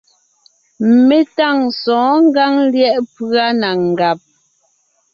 Mé tâŋ sɔ̌ɔn ngǎŋ lyɛ̌ʼ pʉ́a na ngàb;